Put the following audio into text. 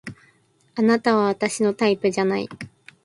あなたは私のタイプじゃない